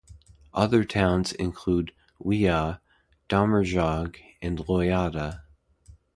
Other towns include We'a, Damerjog and Loyada.